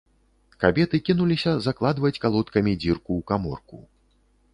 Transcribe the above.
Кабеты кінуліся закладваць калодкамі дзірку ў каморку.